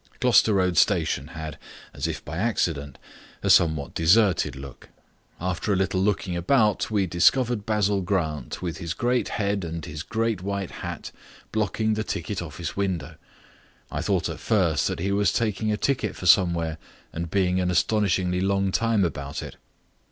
Gloucester Road Station had, as if by accident, a somewhat deserted look. After a little looking about we discovered Basil Grant with his great head and his great white hat blocking the ticket office window. I thought at first that he was taking a ticket for somewhere and being an astonishingly long time about it.